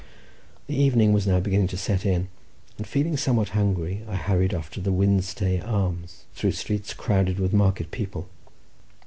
The evening was now beginning to set in, and feeling somewhat hungry, I hurried off to the Wynstay Arms, through streets crowded with market people.